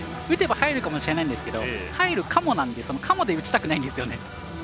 打てば入るかもしれないんですが入るかもなんで、その「かも」で打ちたくないんですよね。